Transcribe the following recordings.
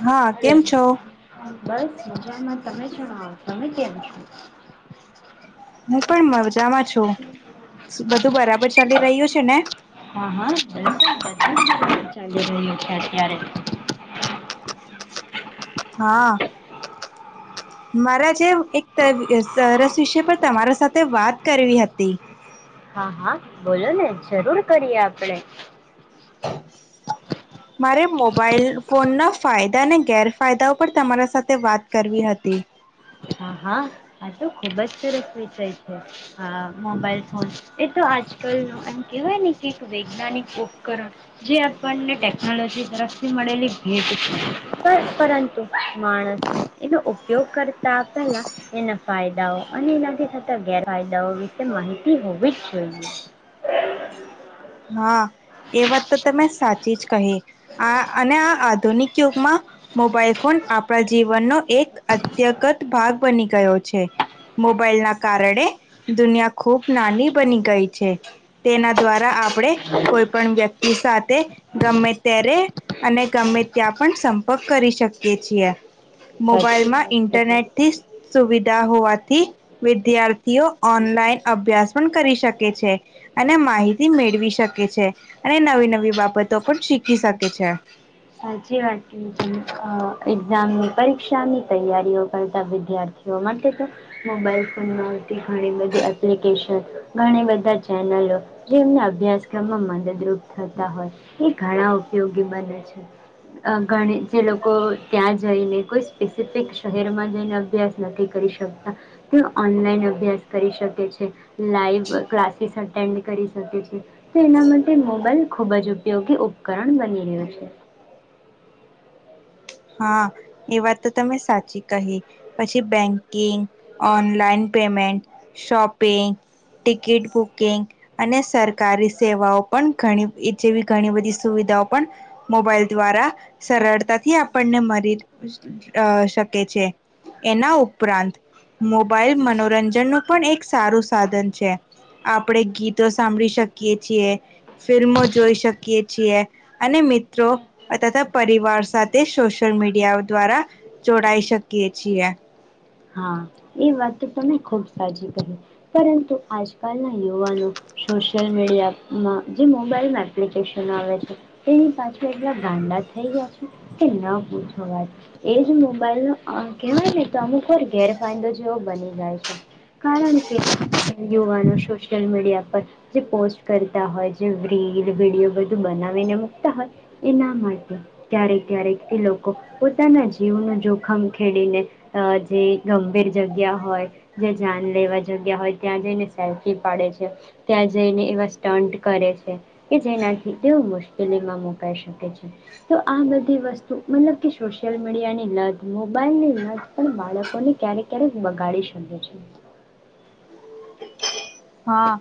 હા હલો, કેમ છો બસ મજામાં તમે? હા, તમે કેમ છો? હું પણ મજામાં છું, શું બધું બરાબર ચાલી રહ્યું છે ને? [unintelligible] ક્યારે? હા મારા જેમ એકતા સરસ વિષય પર તમારા સાથે વાત કરવી હતી. હા-હા બોલો ને જરૂર કરીએ આપણે. મારે મોબાઈલ ફોનના ફાયદા અને ગેરફાયદાઓ પર તમારા સાથે વાત કરવી હતી. હા-હા આ તો ખુબ જ સરસ વિષય છે, આ મોબાઈલ ફોન એ તો આજકલ એમ કહેવાય ને કે વૈજ્ઞાનિક ઉપકરણ જે આપણને ટેકનોલોજી તરફથી મળેલી ભેટ છે પર પરંતુ માણસને એનો ઉપયોગ કર તા પેલા એના ફાયદાઓ અને એનાથી થતા ગેરફાયદાઓ વિશે માહિતી હોવી જ જોઈએ. હા. એ વાત તો તમે સાચી જ કહી આ અને આ આધુનિક યુગમાં મોબાઈલ ફોન આપણા જીવનનો એક અત્યગત ભાગ બની ગયો છે મોબાઈલ ના કારણે દુનિયા ખૂબ નાની બની ગઈ છે તેના દ્વારા આ આપણે કોઈ પણ વ્યક્તિ સાથે ગમે ત્યારે અને ગમે ત્યાં પણ સંપર્ક કરી શકીએ છીએ. સાચી મોબાઈલમાં વાત કહી ઇન્ટરનેટથી સુવિ હોવાથી વિદ્યાર્થીઓ ઓનલાઈન અભ્યાસ પણ કરી શકે છે અને માહિતી મેળવી શકે છે અને નવી-નવી બાબતો પણ શીખી શકે છે. સાચી વાત કહી તમે, એક્ઝામની પરીક્ષાની તૈયારીઓ કરતા વિદ્યાર્થીઓ માટે તો મોબાઈલ ફોનમાં આવતી ઘણી બધી એપ્લિકેશન, ઘણી બધા ચેનલો જેમને અભ્યાસક્રમમાં મદદરૂપ થતા હોય એ ઘણા ઉપયોગી બને છે. અ ઘણી જે લોકો ત્યાં જઈને કોઈ સ્પેસિફિક શહેરમાં જઈને અભ્યાસ નથી કરી શકતા તે ઓનલાઈન અભ્યાસ કરી શકે છે લાઈવ ક્લાસીસ અટેન્ડ કરી શકે છે તો એના માટે મોબાઈલ ખુબ જ ઉપયોગી ઉપકરણ બની રહ્યો છે. હા, એ વાત તો તમે સાચી કહી પછી banking, online payment, shopping, ticket booking, અને સરકારી સેવાઓ પણ જે ઘણી એ જેવી ઘણી બધી સુવિધાઓ પણ મોબાઈલ દ્વારા સરળતાથી આપ આપણને શકે છે એના ઉપરાંત મોબાઈલ મનોરંજન નું પણ એક સારું સાધન છે આપણે ગીતો સાંભળી શકીએ છીએ, ફિલ્મો જોઈ શકીએ છીએ અને મિત્રો તથા પરિવાર સાથે તે સોશિયલ મીડિયાઓ દ્વારા જોડાઈ શકીએ છીએ. હા, એ વાત તો તમે ખૂબ સાચી કહી. પરંતુ આજ કાલના યુવાનો સોશિયલ મીડિયામાં જે મોબાઈલમાં એપ્લિકેશન આવે છે તેની પાછળ એટલા ગાંડા થઈ ગયા છે કે ન પૂછો વાત, જ મોબાઈલનો કહેવાય ને તો અમુક તો ગેરફાયદો જેવો બની જાય છે કારણ કે યુવાનો સોશિયલ મીડિયા પર જે પોસ્ટ કરતા હોય જે રીલ, વિડીયો બધું બનાવીને મૂકતા હોય એના માટે ક્યારેક-ક્યારેક એ લોકો પોતાના જીવનું જોખમ ખેડીને અ જે ગંભીર જગ્યા હોય, જે જાન લેવા જગ્યા હોય ત્યાં જઈને સેલ્ફી પાડે છે ત્યાં જઈને એવા સ્ટન્ટ કરે છે કે જેનાથી તેઓ મુશ્કેલીમાં મુકાઈ શકે છે તો આ બધી વસ્તુ મતલબ કે સોશિયલ મીડિયાની લત, મોબાઈલની લત પણ બાળક કોને ક્યારેક-ક્યારેક બગાડી શકે છે. હા,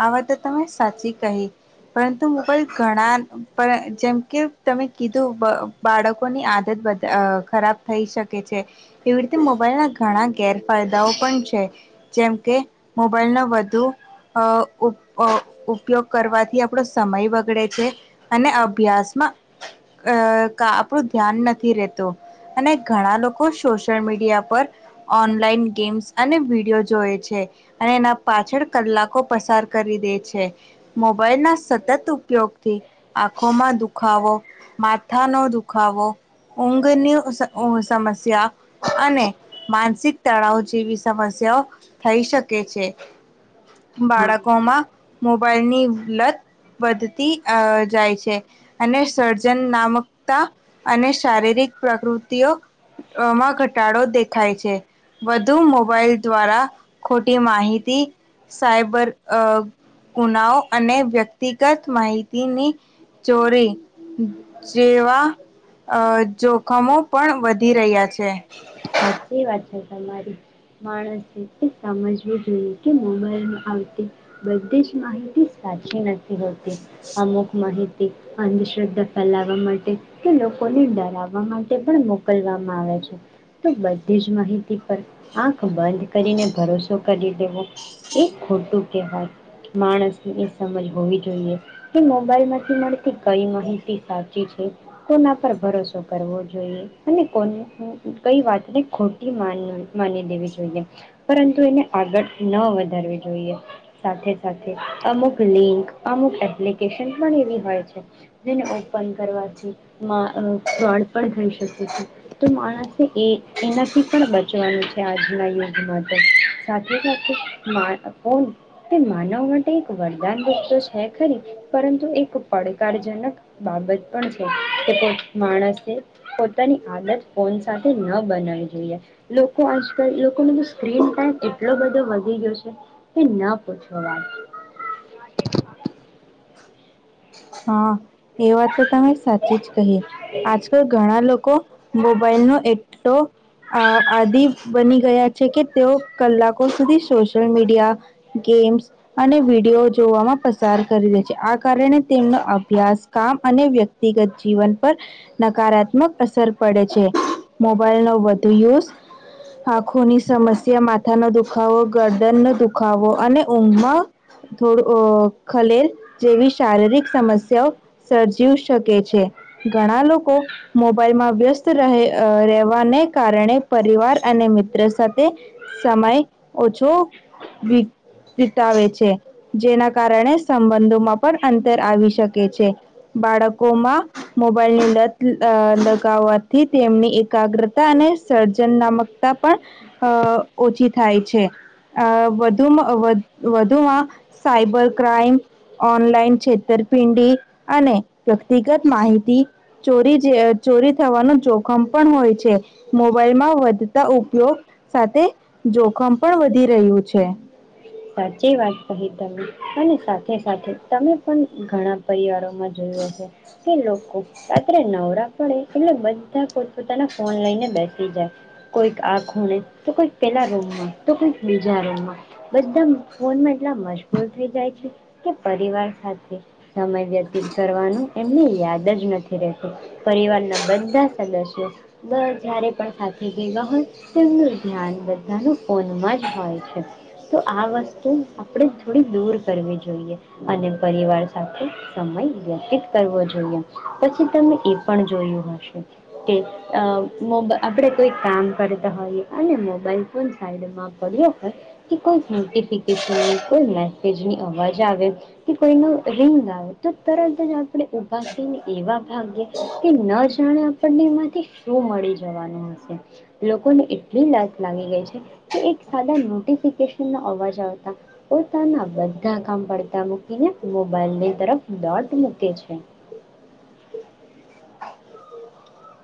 આ વાત તો તમે સાચી કહી, પરંતુ મોબાઈલ ઘણા પરં જેમકે તમે કીધું બ બાળકોની આદત બદ ખરાબ થઈ શકે છે એવી રીતે મોબાઈલ ના ઘણા ગેરફાયદાઓ પણ છે જેમકે મોબાઈલનો વધુ ઉપ ઉપયોગ કરવાથી આપણો સમય બગડે છે અને અભ્યાસમાં અ કા આપણું ધ્યાન નથી રહેતું અને ઘણા લોકો સોશિયલ મીડિયા પર ઓનલાઈન ગેમ્સ અને વિડીયો જોએ છે અને એના પાછળ કલાકો પસાર કરી દે છે, મોબાઈલ ના સતત ઉપયોગથી આંખોમાં દુખાવો, માથાનો દુખાવો, ઊંઘની ઊ સમસ્યા અને માનસિક તણાવ જેવી સમસ્યાઓ થઈ શકે છે. હા બાળકોમાં મોબાઈલની લત વધતી અ જાય છે અને સર્જનામકતા અને શારીરિક પ્રકૃતિ અ ઓમાં ઘટાડો દેખાય છે વધુ મોબાઈલ દ્વારા ખોટી માહિતી સાયબર અ ગુનાઓ અને વ્યક્તિગત માહિતીની ચોરી જેવા અ જોખમો પણ વધી રહ્યા છે. સાચી વાત છે તમારી, માણસે એ સમજવું જોઈએ કે મોબાઈલમાં આવતી બધી જ માહિતી સાચી નથી પી હતી આમ. માહિતી અંધશ્રદ્ધા ફેલાવા માટે કે લોકોને ડરાવવા માટે પણ મોકલવામાં આવે છે. બધી જ માહિતી પર આંખ બંધ કરીને ભરોસો કરી દેવો એ ખોટું કવાય માણસની એ સમજ હોવી જોઈએ કે મોબાઈલ માંથી મળતી કઈ માહિતી સાચી છે કોના પર ભરોસો કરવો જોઈએ અને કો કઈ વાતને ખોટી મા માની દેવી જોઈએ પરંતુ એને આગળ ન વધારવી જોઈએ સાથે સાથે અમુક લિંક અમુક એપ્લિકેશન પણ એવી હોય છે જેને ઓપન કરવાથી ફ્રોડ પણ થઈ શકે છે તો માણસ એનાથી પણ બચવાનું છે આજના યુગમાં તો સાથે સાથે ફોન તે માનવ માટે એક વરદાન રૂપ તો છે ખરી પરંતુ એક પડકારજનક બાબત પણ છે કે માણસે પોતાની આદત ફોન સાથે ન બનાવી જોઈએ લોકો આજકા લોકોનો સ્ક્રીન ટાઈમ એટલો બધો વધી ગયો છે તે ના પૂછવા વાળ હા. એ વાત તો તમે સાચી જ કહી આજકાલ ઘણા લોકો મોબાઈલ નો એટલો આદિ બની ગયા છે કે તેઓ કલાકો સુધી સોશિયલ મીડિયા ગેમ્સ અને વિડીયો જોવામાં પસાર કરી દે છે આ કારણે કામ અને વ્યક્તિગત જીવન પર નકારાત્મક અસર પડે છે મોબાઈલ નો વધુ યુઝ આંખોની સમસ્યા માથાનો દુખાવો ગરદન નો દુખાવો અને ઊંઘમાં થોડું ખલેલ જેવી શારીરિક સમસ્યાઓ સર્જી શકે છે. ઘણા લોકો મોબાઈલમાં વ્યસ્ત રહે રહેવાને કારણે પરિવાર અને મિત્ર સાથે સમય ઓછો વી વિતાવે છે. જેના કારણે સંબંધોમાં પણ તર આવી શકે છે. બાળકોમાં મોબાઈલની લત લગાવવાથી તેમની એકાગ્રતા અને સર્જન નામકતા પણ અ ઓછી થાય છે અ વધુમાં વધુમાં સાયબર, ક્રાઈમ ઓનલાઈન છેતરપિંડી અને વ્યક્તિગત માહિતી ચોરી જે ચોરી થવાનું જોખમ પણ હોય છે. મોબાઈલમાં વધતા ઉપયોગ સાથે જોખમ પણ વધી રહ્યું છે. સાચી વાત કહી તમે અને સાથે સાથે તમે પણ ઘણા પરિવારોમાં જોયો છે કે લોકો રાત્રે નવરા પડે એટલે બધા પોતપોતાના ફોન લઈને બેસી જાય. કોઈક આ ખૂણે તો કોઈક પેલા રૂમમાં તો કોઈક બીજા રૂમમાં. બધા ફોનમાં એટલા મજબૂર થઈ જાય છે કે પરિવાર સાથે સમય વ્યતીત કરવાનું એમને યાદ જ નથી રહેતું પરિવારના બધા સદસ્યો બ હજારે પણ સાથે ભેગા હોય તેમનું ધ્યાન બધાનું ફોનમાં જ હોય છે. તો આ વસ્તુ આપણે થોડી દૂર કરવી જોઈએ અને પરિવાર સાથે સમય વ્યતીત કરવો જોઈએ. પછી તમે એ પણ જોયું હશે કે અ મો આપણે કોઈ કામ કરતા હોઈએ અને મોબાઈલ ફ સાઈડમાં પડ્યો હોય કે કોઈ નોટીફીકેશનની, કોઈ મેસેજની અવાજ આવે કે કોઈનો રિંગ આવે તો તરત જ આપણે ઉભા થઈને એવા ભાગીએ કે ન જાણે આપણને એમાંથી શું મળી જવાનું હશે. લોકોને એટલી લત લાગી ગઈ છે કે એક સાદા નોટફી ફિકેશન નો અવાજ આવતા પોતાના બધા કામ પડતા મૂકીને મોબાઈલની તરફ ડોટ મૂકે છે.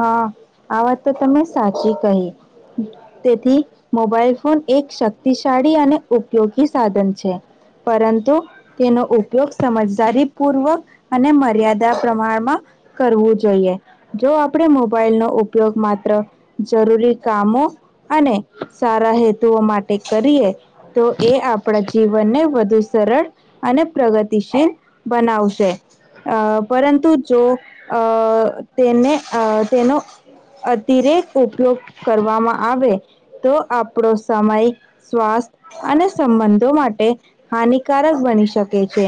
હા આ વાત તો તમે સાચી કહી તેથી મોબાઈલ ફોન એક શક્તિશાળી અને ઉપયોગી સાધન છે પરંતુ તેનો ઉપયોગ સમજદારી પૂર્વક અને મર્યાદા પ્રમાણમાં કરવું જોઈએ જો આપણે મોબાઈલનો ઉપયોગ માત્ર જરૂરી કામો અને સારા હેતુઓ માટે કરીએ. તો એ આપણા જીવનને વધુ સરળ અને પ્રગતિશીલ બનાવશે. અ પરંતુ જો અ તેને અ તેનો અતિરેક ઉપયોગ કરવામાં આવે તો આપણો સમય સ્વાસ્થ અને સંબંધો માટે હાનિકારક બની શકે છે.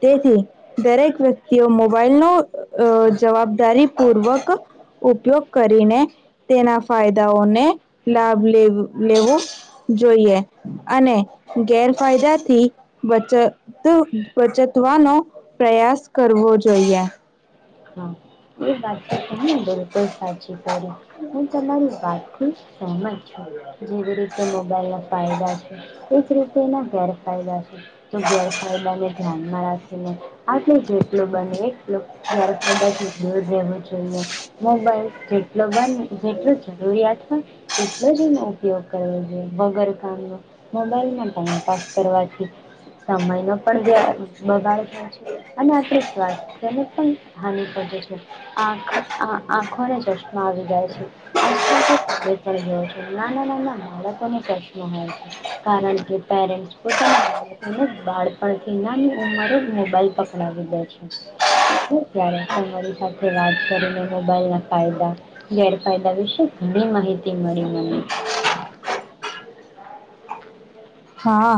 તેથી દરેક વ્યક્તિઓ મોબાઈલનો અ જવાબદારી પૂર્વક ઉપયોગ કરીને તેના ફાયદાઓને લાભ લે લેવું જોઈએ અને ગેરફાયદાથી બચત બચતવાનો પ્રયાસ કરવો જોઈએ. હા એ વાત તો તમે બિલકુલ સાચી કરી હું તમારી વાત થી સહમત છું જેવી રીતે મોબાઈલ ના ફાયદા છે એ જ રીતે એના ગેરફાયદા છે. તો ગેરફાયદાને ધ્યાનમાં રાખીને આપણે જેટલો બને એટલો ગેરફાયદાથી બેમે છેને મોબાઈલ જેટલો બને જેટલો જરૂરિયાત હોય એટલો જ એનો ઉપયોગ કરવો જોઈએ. વગર કામનો મોબાઈલમાં ટાઈમપાસ કરવાથી સમયનો પણ બ બગાડ થાય છે અને આપણે સ્વાસ્થ્યને પણ હાનિ પહોંચે છે આંખ આંખોને ચશ્મા આવી જાય છે. આજલેયો છે નાના નાના બાળકોને ચશ્મા હોય છે કારણ કે પેરેન્ટ પોતાના બાળકોને બાળપણથી નાની ઉંમરે મોબાઈલ પકડાવી દે છે ત્યારે તમારી વાત કરીને મોબાઈલ ના ફાયદા, ગેરફાયદા વિશે ઘણી માહિતી મળી મને. હા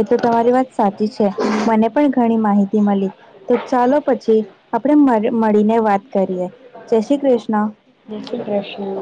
એ તો તમારી વાત સાચી છે. મને પણ ઘણી માહિ મળી તો ચાલો પછી આપણે મળી મળીને વાત કરીએ જય શ્રી કૃષ્ણ. જય શ્રી કૃષ્ણ